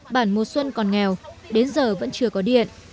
bản mùa xuân còn nghèo đến giờ vẫn chưa có điện